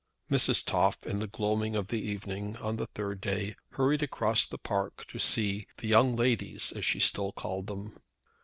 Mrs. Toff in the gloaming of the evening, on the third day, hurried across the park to see the young ladies as she still called them.